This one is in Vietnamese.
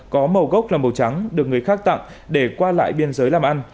có màu gốc là màu trắng được người khác tặng để qua lại biên giới làm ăn